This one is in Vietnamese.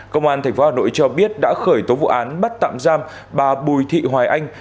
công an tp hà nội cho biết đã khởi tố vụ án bắt tạm giam bà bùi thị hoài anh